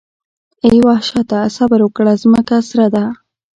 اې وحشته صبر وکړه ځمکه سره ده.